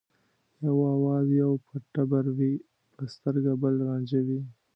یو آواز یو به ټبر وي یو به سترګه بل رانجه وي